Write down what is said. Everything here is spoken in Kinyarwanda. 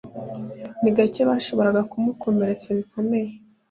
ni gake bashoboraga kumukomeretsa bikomeye